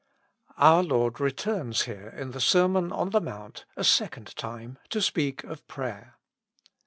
OUR Lord returns here in the Sermon on the Mount a second time to speak of prayer.